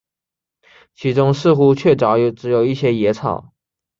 其中似乎确凿只有一些野草